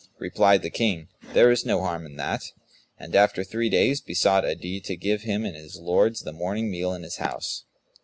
Replied the King, "There is no harm in that;" and after three days, besought Adi to give him and his lords the morning meal in his house.